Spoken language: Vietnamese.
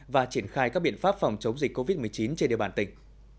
và triển khai các biện pháp phòng chống dịch covid một mươi chín trên địa bàn tỉnh